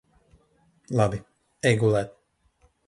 Labi. Ej gulēt.